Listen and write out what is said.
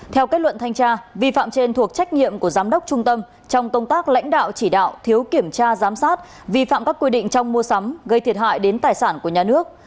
theo kết luận thanh tra vi phạm trên thuộc trách nhiệm của giám đốc trung tâm trong công tác lãnh đạo chỉ đạo thiếu kiểm tra giám sát vi phạm các quy định trong mua sắm gây thiệt hại đến tài sản của nhà nước